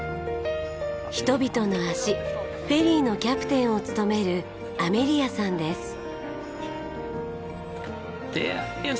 人々の足フェリーのキャプテンを務めるアメリアさんです。